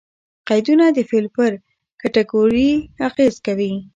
قیدونه د فعل پر کېټګوري اغېز کوي.